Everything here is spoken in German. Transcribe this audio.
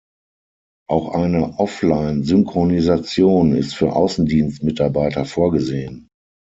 Auch eine Offline Synchronisation ist für Außendienstmitarbeiter vorgesehen.